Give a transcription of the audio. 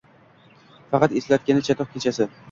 Faqat eslatgani chatoq… Kechasi